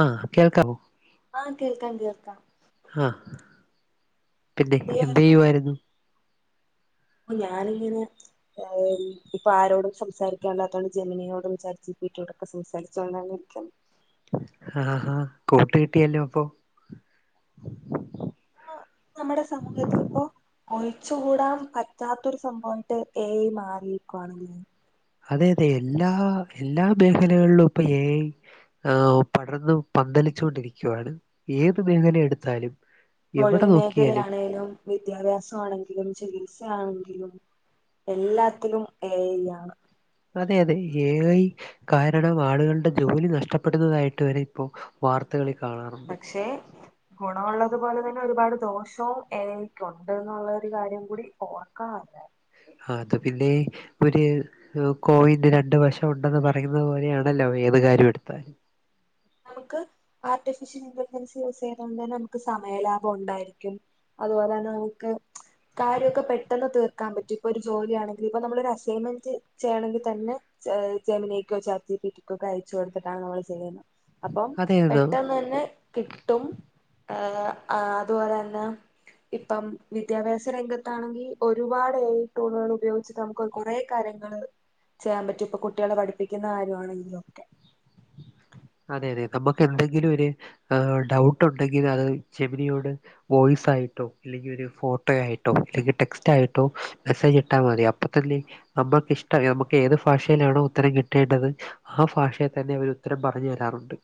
ആഹ് കേൾക്കാമോ ആഹ് കേൾക്കാം കേൾക്കാം. ഹാഹ് പിന്നെ, എന്തെയ്യായിരുന്നു എന്തെയ്യുവായിരുന്നു? അപ്പൊ ഞാനിങ്ങനെ ഏഹ് ഇപ്പാരോടും സംസാരിക്കാൻ ഇല്ലാത്തോണ്ട് ജമിനിയോടും ചാറ്റ് ജീപ്പീറ്റിയോടൊക്കെ സംസാരിച്ചോണ്ടാണ് ഇരിക്ക്ന്ന് ആഹ് ഹാ കൂട്ട് കിട്ടിയല്ലോ അപ്പൊ നമ്മുടെ സമൂഹത്തിൽ ഇപ്പോ ഒഴിച്ചുകൂടാൻ പറ്റാത്തൊരു സംഭവമായിട്ട് എ ഐ മാറിയിരിക്കുവാണ് അതെ അതെ എല്ലാ എല്ലാ മേഖലകളിലും ഇപ്പൊ എ ഐ പടർന്ന് പന്തലിച്ചു കൊണ്ടിരിക്കുവാണ് ഏത് മേഖല എടുത്താലും എവിടെ തൊഴിൽ നോക്കിയാലും മേഖലയാണേലും, വിദ്യാഭ്യാസ ആണെങ്കിലും ചികിത്സയാണെ എല്ലാത്തിലും എ ഐയാണ് അതെ അതെ എ ഐ കാരണം ആളുകളുടെ ജോലി നഷ്ടപ്പെടുന്നതായിട്ട് വരെ ഇപ്പോ വാർത്തകളിൽ കാണാറുണ്ട് പക്ഷേ ഗുണമുള്ളതുപോലെ തന്നെ ഒരുപാട് ദോഷവും എ. ഐക്കുണ്ട് എന്നുള്ളൊരു കാര്യം കൂടി ഓർക്കണം എല്ലാരും അത് പിന്നേ, ഒരു കോയിന്റെ രണ്ടു വശം ഉണ്ടെന്ന് പറയുന്ന പോലെയാണല്ലോ ഏത് കാര്യം എടുത്താലും നമുക്ക് ആർട്ടിഫിഷ്യൽ ഇന്റലിജൻസ് യൂസ് ചെയ്തൊണ്ട് തന്നെ നമുക്ക് സമയലാഭം ഉണ്ടായിരിക്കും അതുപോലെ തന്നെ നമുക്ക് കാര്യമൊക്കെ പെട്ടെന്ന് തീർക്കാൻ പറ്റും ഇപ്പൊ ഒരു ജോലിയാണെങ്കിൽ ഇപ്പ നമ്മളൊരു അസൈൻമെന്റ് ചെയ്യണമെങ്കിൽ തന്നെ ജെമിനിക്കോ ചാറ്റ് ജി പീറ്റിക്കൊക്കെ അയച്ച കൊടുത്തിട്ടാണ് നമ്മൾ ചെയ്യുന്നത് അപ്പോ അതെതോ പെട്ടെന്നന്നെ കിട്ടും ഏഹ് അതുപോലെ തന്നെ ഇപ്പം, വിദ്യാഭ്യാസ രംഗത്താണെങ്കി ഒരുപാട് എ ഐ ടൂണുകൾ ഉപയോഗിച്ച് നമുക്ക് കൊറേ കാര്യങ്ങള് ചെയ്യാൻ പറ്റും. ഇപ്പൊ കുട്ടികളെ പഠിപ്പിക്കുന്ന കാര്യമാണെങ്കിലും ഒക്കെ അതെ അതെ, നമുക്കെന്തെങ്കിലു ഒര് ഏഹ് ഡൗട്ടുണ്ടെങ്കില് അത്, ജെമിനിയോട് വോയിസായിട്ടോ ഇല്ലെങ്കി ഒരു ഫോട്ടോ ആയിട്ടോ ഇല്ലെങ്കി ടെക്സ്റ്റായിട്ടോ മെസ്സേജ് ഇട്ടാ മതി. അപ്പ ത്തന്നെ നമുക്ക് ഇഷ്ട നമുക്ക് ഏത് ഭാഷയിലാണോ ഉത്തരം കിട്ടേണ്ടത് ആ ഭാഷയെ തന്നെ അവര് ഉത്തരം പറഞ്ഞു തരും. തരാറുണ്ട്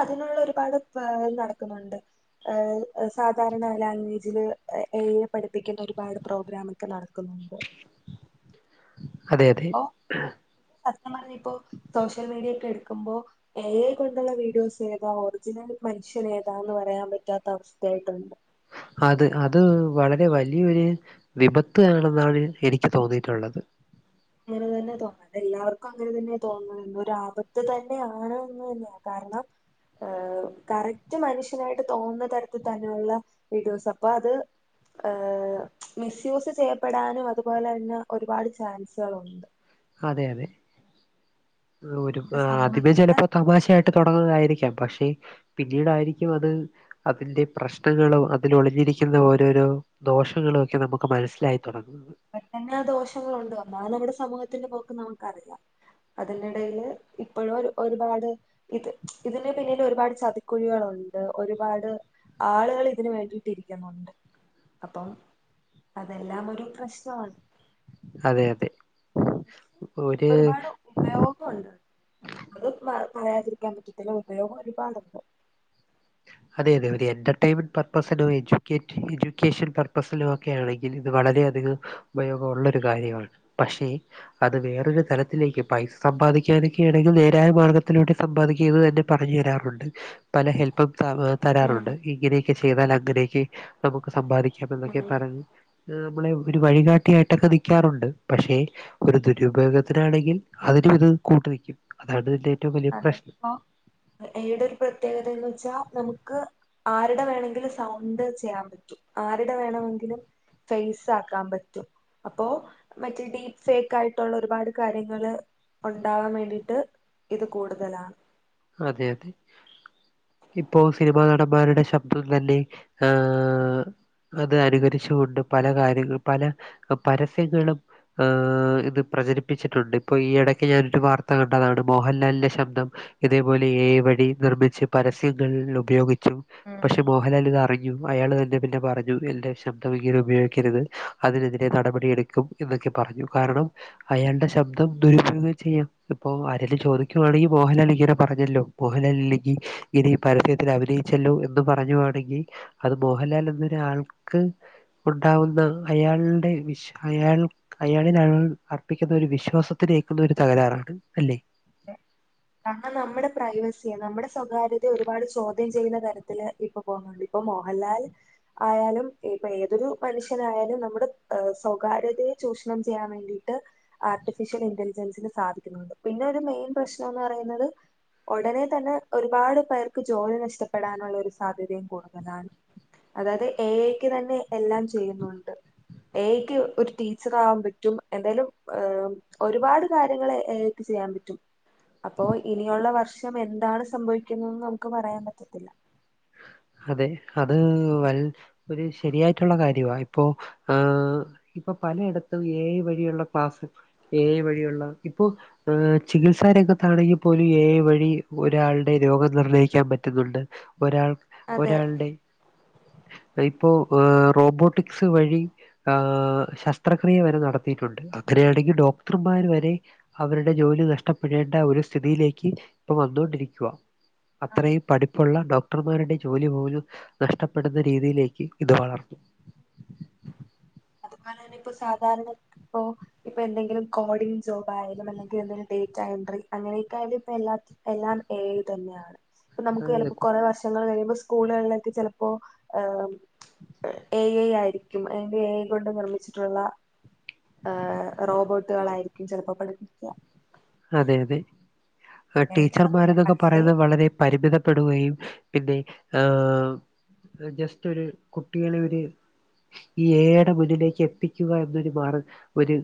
അതിനുള്ള ഒരുപാട് [unintelligible] നടക്കുന്നുണ്ട്. ഏഹ് സാധാരണ ലാംഗ്വേജില് എ ഐ പഠിപ്പിക്കുന്ന ഒരുപാട് പ്രോഗ്രാം ഒക്കെ നടക്കുന്നുണ്ട്. അതെ അതെ ഇപ്പൊ സത്യം പറഞ്ഞാ ഇപ്പോ സോഷ്യൽ മീഡിയ ഒക്കെ എടു ക്കുമ്പോ എ ഐയെ കൊണ്ടുള്ള വീഡിയോസ് ഏതാ ഒറിജിനൽ മനുഷ്യൻ ഏതാന്ന് പറയാൻ പറ്റാത്ത അവസ്ഥയായിട്ടുണ്ട് അത് അത് വളരെ വലിയൊരു വിപത്ത് ആണെന്നാണ് എനിക്ക് തോന്നിയിട്ടുള്ളത്. അങ്ങനെ തന്നെ തോന്നുന്നത്. എല്ലാവർക്കും അങ്ങനെ തന്നെ തോന്നുന്നത്. ഒരു ആപത്ത് തന്നെയാണ് കാരണം, കറക്റ്റ് മനുഷ്യനായിട്ട് തോന്നുന്ന തരത്തിൽ തന്നെയുള്ള വീഡിയോസ് അപ്പൊ അത് മിസ്യൂസ് ചെയ്യപ്പെടാനും അതുപോലെ തന്നെ ഒരുപാട് ചാൻസ് [unintelligible] അതെയതെ ഒരു നമ്മുടെ ആദ്യമേ സമൂഹത്തിന്റെ ചെലപ്പൊ തമാശയായിട്ട് തൊടങ്ങുന്നതായിരിക്കാം പക്ഷേ, പിന്നീടായിരിക്കും അത് അതിന്റെ പ്രശ്നങ്ങളും അതിൽ ഒളിഞ്ഞിരിക്കുന്ന ഓരോരോ ദോഷങ്ങളും ഒക്കെ നമുക്ക് മനസ്സിലായി തുടങ്ങുന്നത് പ്രശ്നങ്ങളും ദോഷങ്ങളുണ്ട് എന്നാൽ നമ്മുടെ സമൂഹത്തിന്റെ നമുക്കറിയാം. അതിന്റെടയില് ഇപ്പഴും ഒരു ഒരുപാട് ഇത് ഇതിന്റെ പിന്നില് ഒരുപാട് ചതിക്കുഴികളുണ്ട്. ഒരുപാട് ആളുകള് ഇതിന് വേണ്ടിയിട്ടിരിക്കുന്നുണ്ട്. അപ്പം അതെല്ലാം ഒരു പ്രശ് [unintelligible] അതെ അതെ ഒരു ഒരുപാട് ഉപയോഗ ഉണ്ട്. അത് [unintelligible] പറയാതിരിക്കാൻ പറ്റത്തില്ല ഉപയോഗം ഒരുപാടുണ്ട് അതെയതെ, ഒര് എൻറർടൈൻമെന്റ് പർപ്പസിനോ എജ്യൂക്കേറ്റ് എഡ്യൂക്കേഷൻ പർപ്പസിനോ ഒക്കെ ആണെങ്കിൽ ഇത് വളരെയധികം ഉപയോഗമുള്ളൊരു കാര്യമാണ്. പക്ഷേ അത് വേറൊരു തരത്തിലേക്ക് പൈസ സമ്പാദിക്കാനൊക്കെ ആണെങ്കിൽ നേരായ മാർഗ്ഗത്തിലൂടെ സമ്പാദിക്കുകയെന്ന് തന്നെ പറഞ്ഞു തരാറുണ്ട് പല ഹെല്പും [unintelligible] ഉം തരാറുണ്ട് ഇങ്ങനെ ചെയ്താലൊക്കെ അങ്ങനൊയൊക്കെ നമുക്ക് സമ്പാദിക പ്പന്തക്കെ ഉം പറഞ്ഞ നമ്മളെ ഒരു വഴികാട്ടിയായിട്ടൊക്കെ നൽക്കാറുണ്ട് പക്ഷെ ഒരു ദുരുപയോഗത്തിനാണെങ്കിൽ അതിനും ഇത് കൂട്ട്നിൽക്കും അതാണ്തിന്റെ അത്പ്പോ എതൊരു പ്രത്യേകതന്ന് വെച്ചാ നമുക്ക് ആരുടെ വേണമെങ്കും സൗണ്ട് ചെയ്യാൻ പറ്റും ആരുടെ വേണമെങ്കിലും ഫേസ് ആക്കാൻ പറ്റും അപ്പോ മറ്റേ ഡീപ്പ് ഫേക്ക് ആയിട്ടുള്ള ഒരുപാട് കാര്യങ്ങള് ഉണ്ടാവാൻ വേണ്ടിട്ട് ഇത് കൂടുതലാണ് അതെ അതെ ഇപ്പോ സിനിമാ നടന്മാരുടെ ശബ്ദം തന്നെ ആഏ അത് അനുകരിച്ചുൊണ്ട് പല കാര്യങ്ങ പല പരസ്യങ്ങളും ഏ് ഇത് പ്രചരിപ്പിച്ചിട്ടുണ്ട് ഇപ്പോ ഈ ഇടയ്ക്ക് ഞാൻ ഒരു വാർത്ത കണ്ടതാണ് മോഹൻലാലിന്റെ ശബ്ദം ഇതേപോലെ ഏ വഴി നിർമ്മിച്ച് പരസ്യങ്ങൾപയോഗി പക്ഷെ മോഹൻലാൽ ഇത് അറി അയാൾ തന്നെ പിന്നെ പറഞ്ഞു എന്റെ ശബ്ദം ഇങ്ങനെ ഉപയോഗിക്കരുത് അതിനെതിരെ നടപടി എടുക്കും എന്നൊക്കെ പറഞ്ഞു കാരണം അയാളുടെ ശബ്ദം ദുരുപയോഗം ചെയ്യാം ഇപ്പൊ ആരെലും ചോദിക്കുവാണെങ്കിൽ മോഹൻ ലാല് ഇങ്ങനെ പറഞ്ഞല്ലോ മോഹൻലാലില്ലെങ്കി ഇനിപരസ്യത്തിൽ അഭിനയിച്ചല്ലോ എന്ന പറഞ്ഞ് തുടങ്ങി അത് മോഹൻലാൽ എന്നൊരാൾക്ക് ഉണ്ടാവുന്ന അയാളുടെ അയാൾക്ക് അയാളിൽ അർപ്പിക്കുന്ന ഒരു വിശ്വാസത്തിലേക്കുന്ന ഒരു തകരാറാണ് അല്ലേ ആ നമ്മുടെ പ്രൈവസിയെ നമ്മുടെ സ്വകാര്യതയ ഒരുപാട് ചോദ്യം ചെയ്യുന്ന തലത്തില് ഇപ്പൊ പോകുന്നുണ്ട് ഇപ്പൊ മോഹൻലാൽ ആയാലും ഇപ്പൊ ഏതൊരു മനുഷ്യനായാലും നമ്മുടെ സ്വകാര്യതയെ ചൂഷണം ചെയ്യാൻ വേണ്ടിട്ട് ആർട്ടിഫിഷ്യൽ ഇന്റലിജൻസിന് സാധിക്കുന്നുണ്ട് പിന്നെ ഒരു മെയിൻ പ്രശ്നം ന്ന് പറയുന്നത് ഉടനെ തന്നെ ഒരുപാട് പേർക്ക് ജോലി നഷ്ടപ്പെടാനുള്ള ഒരു സാധ്യതയും കൂടുതലാണ് അതായത് ഏ ഏ യ്ക്ക് തന്നെ എല്ലാം ചെയ്യുന്നുണ്ട് ഏ ഏ യ്ക്ക് ഒരു ടീച്ചറാവാൻ പറ്റും എന്തായാലും ഒരുപാട് കാര്യങ്ങളെ എ എക്ക് ചെയ്യാൻ പറ്റും അപ്പോ ഇനിയുള്ള വർഷം എന്താണ് സംഭവിക്കുന്നന്ന് നമുക്ക് പറയാൻ പറ്റത്തില്ല അതെ അത് വ ഒരു ശരിയായിട്ടുള്ള കാരുവാഇപ്പോ പലയിടത്തും ഏഎയ് വഴിയുള്ള ക്ലാസ്സ് ഏ വഴിയുള്ള ഇപ്പൊ ചികിത്സാരംഗത്താണെങ്കിൽ പോലും ഏഎയ് വഴി ഒരാളുടെ രോഗം നിർണ്ണയിക്കാൻ പറ്റുന്നുണ്ട് ഒരാൾ അതെ ഒരാൾടെ ഇപ്പോ ഏ റോബോട്ടിക്സ് വഴി ആ ശസ്ത്രക്രിയ വരെ നടത്തിയിട്ടുണ്ട് അങ്ങനെയാണെങ്കിൽ ഡോക്ടർമാർ വരെ അവരുടെ ജോലി നഷ്ടപ്പെടേണ്ട ഒരു സ്ഥിതിയിലേക്ക് ഇപ്പൊ വന്നൊണ്ടിരിക്കുക അത്രയും പഠിപ്പുള്ള ഡോ ഡോക്ടർമാരുടെ ജോലി പോലും നഷ്ടപ്പെടുന്ന രീതിയിലേക്ക് ഇത് വളർന്നു അതുപോലെ തന്നെ ഇപ്പൊ സാധാരണ ഇപ്പോ ഇപ്പൊ എന്തെങ്കിലും കോഡിംഗ് ജോബായാലും അല്ലെങ്കിൽ എന്തെങ്കിലും ഡേറ്റ്എൻട്രി അങ്ങനെയൊക്കൊയാലും എല്ലാം എല്ലാം എ ഐതന്നെയാണ് ഇപ്പൊ നമുക്ക് എളു അതെ കു- കുറ വർഷങ്ങൾ കഴിയുമ്പോ സ്കൂളിലെക്കെ ചെലപ്പോ ഏ ഐ ആയിരിക്കും അതിൻ്റെ ഏ ഐ ണ്ട് നിർമ്മിച്ചിട്ടുള്ള റോബോട്ടുകളായിരിക്കും ചിലപ്പോ പഠിപ്പിക്കുക അതെ അതെ ആ അങ്ങനെയൊക്കെ ടീച്ചർമാര് സംഭവിക്കാം തെക്കെ പക്ഷേ പറയുന്നത് വളരെ പരിമിതപ്പെടുകയും പിന്നെ ജസ്റ്റ് ഒരു കുട്ടികളെ ഒരു എ ഐ ടെ മുന്നിലേക്ക് എത്തിക്കുക എന്നൊരു മാ ണ്ട് ഒരു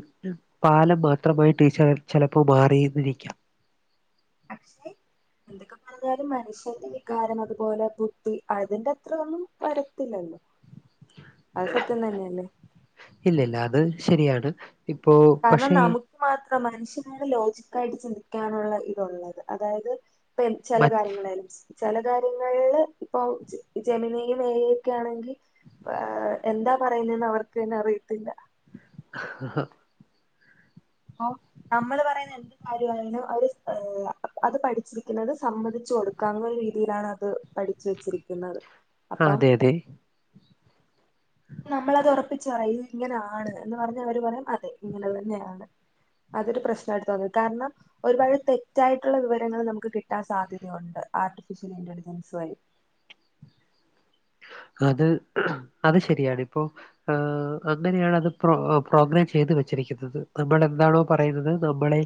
പാലം മാത്രമായിട്ട് ടീച്ചറെ ചിലപ്പോ അപ്പ മാറിന്നിരിക്കാം പക്ഷെ എന്തൊക്കെ പറഞ്ഞാലും മനുഷ്യന്റെ വികാരം അതുപോലെ ബുദ്ധി അതിൻ്റെ അത്ര ഒന്നും വരത്തില്ലല്ലോ അത് സത്യം തന്നെയല്ലേ ഇല്ല ഇല്ല അത് ശരിയാണ് ഇപ്പോ പക്ഷേ മനുഷ്യനായാല് ലോജിക്കായിട്ട് ചിന്തിക്കാനുള്ള ഇതുള്ളത് അതായത് ഇപ്പൻ ചെല മറ്റ് കാര്യങ്ങളായാലും ചില കാര്യങ്ങളില് ഇപ്പൊ ജ ജമീനിയും എ. ഇ. യുക്കെ ആണെങ്കിൽ എന്താ പറയുന്നെന്ന് അവർക്ക് തന്നെ അറിയത്തില്ല ആ അ നമ്മള് പറയുന്ന എന്ത് കാര്യമായാലും അവര് അത് പഠിച്ചിരിക്കുന്നത് സമ്മതിച്ചു കൊടുക്കാന്ന ഒരു രീതിയിലാണ് അത് പഠിച്ച വെച്ചിരിക്കുന്നത് ആ അപ്പം അതെ അതെ നമ്മളത് ഉറപ്പിച്ച് പറയും ഇങ്ങനെ ആണ് എന്ന് പറഞ്ഞ അവര് പറയും അതെ ഇങ്ങനെത്തന്നെ ആണ് അതൊരു പ്രശ്‌നായിട്ടു തോന്നി കാരണം ഒരുപാട് തെറ്റായിട്ടുള്ള വിവരങ്ങൾ നമുക്ക് കിട്ടാൻ സാധ്യത ഉണ്ട് ആർട്ടിഫിഷ്യൽ വീഡിയോസ് വഴി അത് അത് ശരിയാണ് ഇപ്പോൾ അങ്ങനെയാണ് അത് പ്രോഗ്രാം ചെയ്ത് വെച്ചിരിക്കുന്നത് നമ്മൾ എന്താണോ പറയുന്നത് നമ്മളെ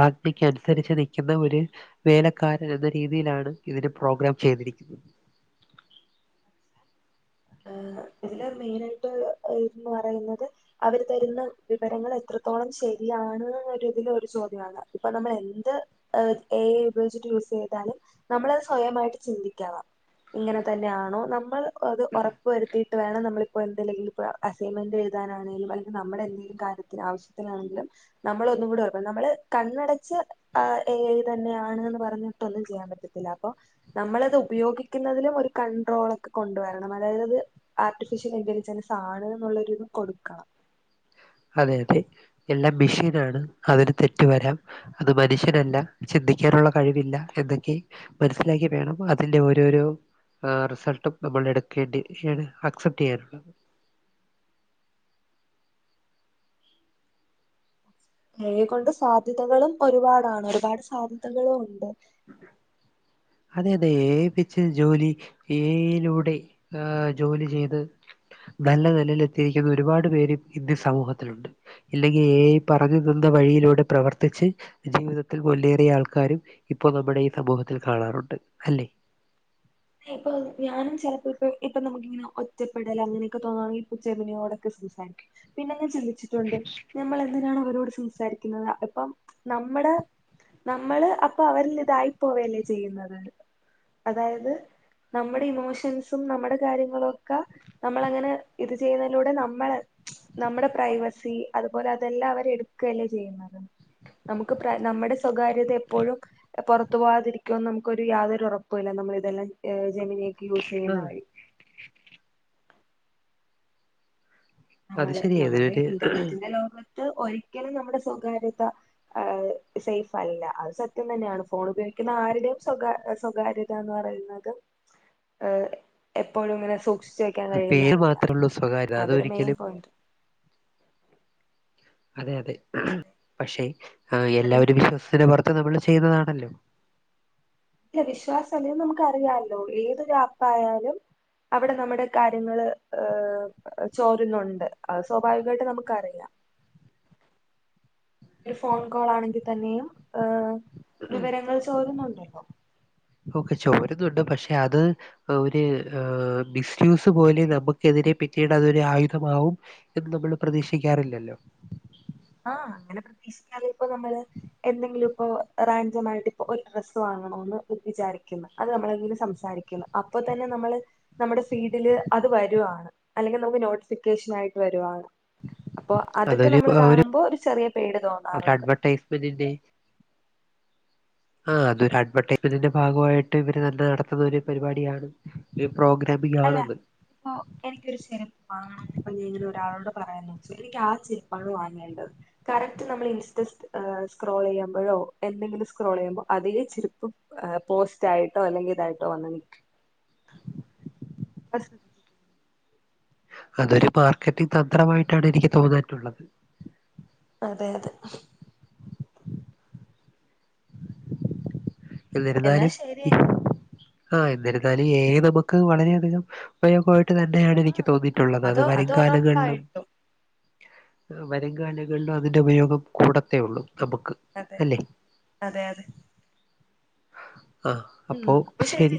ആജ്ഞക്ക് അനുസരിച്ച് നിൽക്കുന്ന ഒരു വേലക്കാരൻ എന്ന രീതിയിലാണ് ഇതിന് പ്രോഗ്രാം ചെയ്തിരിക്കുന്നത് ഇതില് മെയിനായിട്ട് പറയുന്നത് അവര് തരുന്ന വിവരങ്ങൾ എത്രത്തോളം ശരിയാണ് എന്ന രീതിയില് ഒരു ചോദ്യമാണ് ഇപ്പൊ നമ്മൾ എന്ത് എ ഐ ഉപയോഗിച്ചിട്ട് യൂസ് ചെയ്താലും നമ്മളത് സ്വയമായിട്ട് ചിന്തിക്കണം ഇങ്ങനെ തന്നെയാണോ നമ്മൾ അത് ഉറ വരുത്തിയിട്ട് വേണം നമ്മളിപ്പോ എന്തിലെങ്കിലും അസൈൻമെന്റ് എഴുതാനാണെിലും അല്ലെങ്കിൽ നമ്മുടെ എന്തെങ്കിലും കാര്യത്തിന് ആവശ്യത്തിനാണെങ്കിലും നമ്മള് ഒന്നും കൂടിം നമ്മള് കണ്ണടച്ച് എ ഐ തന്നെയാണ്ന്ന് പറഞ്ഞിട്ടൊന്നും ചെയ്യാൻ പറ്റത്തില്ല അപ്പൊ നമ്മളത് ഉപയോഗിക്കുന്നതിലും ഒരു കൺണ്ട്രോളൊക്കെ കൊണ്ടുവരണം അതായത് ആർട്ടിഫിഷ്യൽ ഇന്റലിജൻസ് ആണ് ന്നുള്ളൊരിത് കൊടുക്കണം അതെ അതെ എല്ലാം മിഷീനാണ് അതിന് തെറ്റ് വരാം അത് മനുഷ്യനല്ല ചിന്തിക്കാനുള്ള കഴിവില്ല എന്നൊക്കെ മനസ്സിലാക്കി വേണം അതിറെ ഓരോരോ റിസൾട്ടും നമ്മൾ എടുക്കേണ്ടി അക്സെപ്റ്റ് ചെയ്യാനുള്ളത് എ ഐ കൊണ്ട് സാധ്യതകളും ഒരുപാടാണ് ഒരുപാട് സാധ്യതകളും ഉണ്ട് ഉ അതെ അതെ ഏ ഇപ്പോ ഐ വെച്ച് ജോലി ഏ ഐ ലൂടെ ആ ജോലി ചെയ്ത് നല്ല നിലയിൽ എത്തിയിരിക്കുന്ന ഒരുപാട് പേര് ഇന്ന് സമൂഹത്തിലുണ്ട് ഇല്ലെങ്കിൽ ഏ ഐ പറഞ്ഞു തന്ന വഴിയിലൂടെ പ്രവർത്തിച്ച് ജീവിതത്തിൽ മുന്നേറിയ ആൾക്കാരും ഇപ്പൊ നമ്മുടെ ഈ സമൂഹത്തിൽ കാണാറുണ്ട് അല്ലേ ഇപ്പൊ ഞാനും ചിലപ്പോ ഇപ്പ ഇപ്പൊ നമുക്കിങ്ങനെ ഒറ്റപ്പെടൽ അങ്ങനെയൊക്കെ തോന്നാണെങ്കിൽ ജെമിനിയോടൊക്കെ സംസാരിക്കും പിന്നെ ഞാൻ ചിന്തിച്ചിട്ടുണ്ട് നമ്മൾ എന്തിനാണ് അവരോട് സംസാരിക്കുന്നത് അതിപ്പം നമ്മടെ നമ്മള് അപ്പൊ അവരിൽ ഇതായി പോവല്ലേ ചെയ്യുന്നത് അതായത് നമ്മടെ ഇമോഷൻസും നമ്മടെ കാര്യങ്ങളൊക്കെ നമ്മൾ അങ്ങനെ ഇത് ചെയ്യുന്നതിലൂടെ നമ്മൾ നമ്മടെ പ്രൈവസി അതുപോലെ അതെല്ലാം അവരെ എടുക്കല്ലേ ചെയ്യുന്നുന്നത് നമുക്ക് നമ്മടെ സ്വകാര്യത എപ്പോഴും പുറത്തു പോവാതിരിക്കുമെന്ന് നമുക്കൊരു യാതൊരു ഉറപ്പുമില്ല നമ്മൾ ഇതെല്ലാം [unintelligible] ജെമിനിയൊക്കെ യൂസ് ആ ചെയ്യുന്ന വഴി അത് നമ്മള് ശരിയാ നമ്മടെ ഇതിനൊരു ഇന്റർനെറ്റിന്റെ ലോക ഒരിക്കലും നമ്മുടെ സ്വകാര്യത എ സേഫ് അല്ല അത് സത്യം തന്നെയാണ് ഫോൺ ഉപയോഗിക്കുന്ന ആരുടെയും സ്വ സ്വകാര്യതാന്ന് പറയുന്നത് എ എപ്പോഴും ഇങ്ങനെ സൂക്ഷിച്ചു വെക്കാൻ ത് പേര് കഴിയുന്നതല്ല മാത്രേ ഉള്ളൂ സ്വകാര്യത അതൊരു മെയിൻ അതൊരിക്കലും പോയിന്റ് അതെ അതെ അതെ പക്ഷേ അതിന് എല്ലാവരും വിശ്വാസത്തിന് പുറത്ത് പ്പം നമ്മൾ ചെയ്യുന്നതാണല്ലോ ഇല്ല വിശ്വാസം അല്ല നമക്ക് അറിയാലോ ഏതൊരു ആപ്പായാലും അവിടെ നമ്മടെ കാര്യങ്ങള് ഏ ചോരുന്നുണ്ട് സ്വാഭാവികമായിട്ട് നമക്ക് അറിയാം ഒരു ഫോൺ കോൾ ആണെങ്കിൽ തന്നെയും ആ വിവരങ്ങൾ ചോരുന്നുണ്ട് [unintelligible] ഓക്കെ ചോരുന്നുണ്ട് പക്ഷെ അത് ഒരു ഒ മിസ്യൂസ് പോലെ നമുക്കെതിരെ പിന്നീട് അതൊരു ആയുധമാവും എന്ന് നമ്മൾ പ്രതീക്ഷിക്കാറില്ലല്ലോ ആ അങ്ങനെ പ്രതീക്ഷിക്കാതെ ഇപ്പ നമ്മള് എന്തെങ്കിലും ഇപ്പോ റാൻഡം ആയിട്ട് ഇപ്പൊ ഒരു ഡ്രസ്സ് വാങ്ങണോന്ന് വിചാരിക്കുന്നു അത് നമ്മളെങ്ങും സംസാരിക്ന്ന് അപ്പൊ തന്നെ നമ്മള് നമ്മടെ ഫീഡില് അത് വരുവാണ് അല്ലെങ്കിൽ നമുക്ക് നോട്ടിഫിക്കേഷൻ ആയിട്ട് വരുവാണ് അപ്പൊ അതൊക്കെ അതൊരു നമ്മൾ ആ, കാണുമ്പോ ഒരു ചെറിയ പേടി തോന്നാറുണ്ട് അഡ്വർടൈസ്മെന്റിന്റെ ആ അതൊരു അഡ്വർറ്റയ്സ്മെന്റിന്റെ ഭാഗമായിട്ട് ഇവര് തന്നെ നടത്തുന്ന ഒരു പരിപാടിയാണ് പ്രോഗ്രാമിംഗ് അല്ല ആണത് ഒ ഇപ്പൊ എനിക്കൊരു ചെരുപ്പ് വാങ്ങണമെന്ന് ഇങ്ങനെ ഞാൻ ഒരാളോട് പറയാണ് എനിക്ക് ആ ചെരുപ്പാണ് വാങ്ങേണ്ടത് കറക്റ്റ് നമ്മൾ ഇൻസ്റ്റ സ് എ സ്ക്രോൾ ചെയ്യുമ്പോഴോ എന്തെങ്കിലും സ്ക്രോൾ ചെയ്യുമ്പോ അതേ ചെരുപ്പ് എ പോസ്റ്റ് ആയിട്ടോ അല്ലെങ്കിൽ ഇതായിട്ടോ വന്ന് ക്കും [unintelligible] അതൊരു മാർക്കറ്റിങ് തന്ത്രമായിട്ടാണ് എനിക്ക് തോന്നാറ്റുള്ളത് അതെ അതെ എന്നാ എന്നിരുന്നാലും ഈ ശരിയെങ്കി ആ എന്നിരുന്നാലും ഏ ഐ നമുക്ക് വളരെയധികം ഉപയോഗ അത് തന്നെയാണ് എനിക്ക് ആഹ് തോന്നിയിട്ടുള്ളത് അത് അതോ വരും കാലങ്ങളിലും ഒറപ്പായിട്ടും വരും കാലങ്ങളിലും അതിന്റെ ഉപയോഗം കൂടത്തേ ഉള്ളൂ നമുക്ക് അതെ അല്ലെ അതെ അതെ ആ അപ്പൊ ശരി